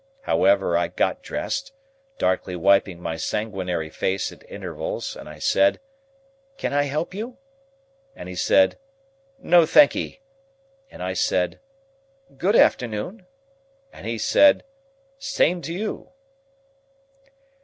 However, I got dressed, darkly wiping my sanguinary face at intervals, and I said, "Can I help you?" and he said "No thankee," and I said "Good afternoon," and he said "Same to you."